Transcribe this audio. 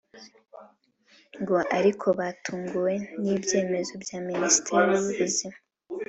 ngo ariko batunguwe n’ibyemezo bya Minisiteri y’Ubuzima